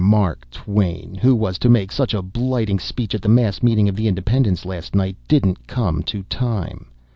Mark Twain, who was to make such a blighting speech at the mass meeting of the Independents last night, didn't come to time!